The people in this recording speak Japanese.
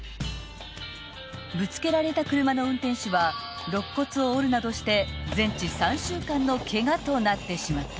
［ぶつけられた車の運転手は肋骨を折るなどして全治３週間のケガとなってしまった］